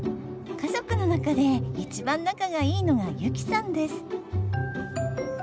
家族の中で一番仲がいいのが優希さんです。